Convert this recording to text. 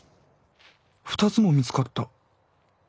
２つも見つかった。